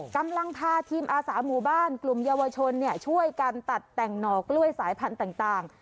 กำลังพาทีมอาสาหมู่บ้านกลุ่มเยาวชนช่วยกันตัดแต่งหน่อกล้วยสายพันธุ์ต่าง